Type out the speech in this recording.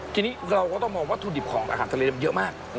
ทีนี้เราก็ต้องมองวัตถุดิบของอาหารทะเลมันเยอะมาก